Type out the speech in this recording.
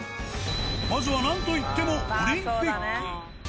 まずは、なんといってもオリンピック。